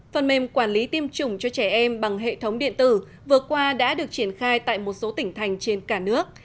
phần mềm quản lý tiêm chủng cho trẻ em bằng hệ thống điện tử vừa qua đã được triển khai tại một số tỉnh thành trên cả nước